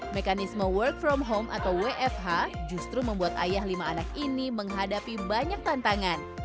mekanisme work from home atau wfh justru membuat ayah lima anak ini menghadapi banyak tantangan